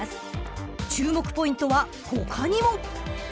［注目ポイントは他にも］